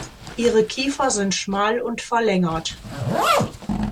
Ihre Kiefer sind schmal und verlängert.